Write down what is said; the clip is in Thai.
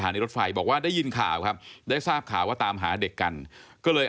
ตกลงไปจากรถไฟได้ยังไงสอบถามแล้วแต่ลูกชายก็ยังไง